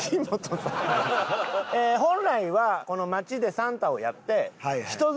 本来は街でサンタをやって。